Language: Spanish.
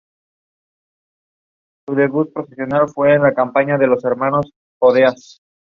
Es considerado uno de los grandes delanteros de la historia del fútbol peruano.